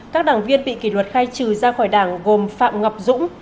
các đảng viên bị kỷ luật khai trừ ra khỏi đảng gồm phạm ngọc dũng